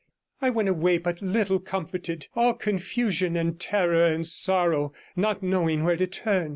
I went away but little comforted, all confusion and terror and sorrow, not knowing where to turn.